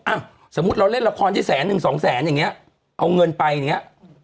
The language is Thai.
สมมุติเราเล่นละครได้แสนหนึ่งสองแสนอย่างเงี้ยเอาเงินไปอย่างเงี้ย